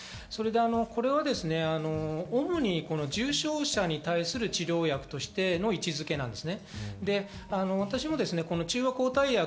これは主に重症者に対する治療薬としての位置付けなんです。